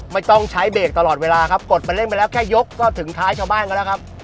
ไม่ต้องใช้เบรกตลอดเวลาครับกดไปเล่นไปแล้วแค่ยกก็ถึงท้ายชาวบ้านกันแล้วครับ